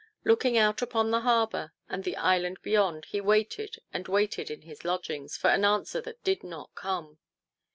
Looking out upon the harbour and the island beyond he waited and waited in his lodgings for an answer that did not come.